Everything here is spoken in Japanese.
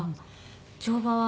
乗馬は。